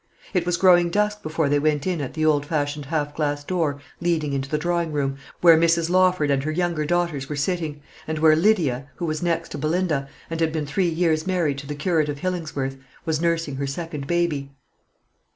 It was growing dusk before they went in at the old fashioned half glass door leading into the drawing room, where Mrs. Lawford and her younger daughters were sitting, and where Lydia, who was next to Belinda, and had been three years married to the Curate of Hillingsworth, was nursing her second baby.